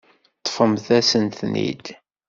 Ṭṭfemt-asen-ten-id.